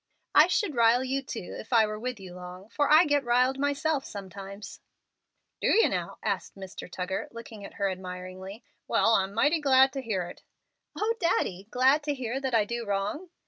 "I should 'rile' you, too, if I were with you long, for I get 'riled' myself sometimes." "Do you, now?" asked Mr. Tuggar, looking at her admiringly. "Well, I'm mighty glad to hear it." "O Daddy! glad to hear that I do wrong?"